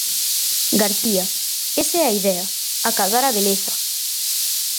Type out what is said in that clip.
García: Esa é a idea, acadar a beleza.